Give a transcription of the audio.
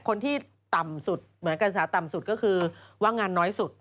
คนที่ต่ำสุดเหมือนการศึกษาต่ำสุดก็คือว่างานน้อยสุด